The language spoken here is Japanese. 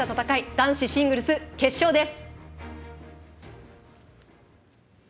男子シングルス決勝です。